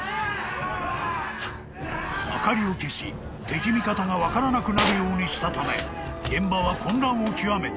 ［灯りを消し敵味方が分からなくなるようにしたため現場は混乱を極めた］